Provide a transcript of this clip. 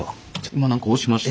今何か押しました？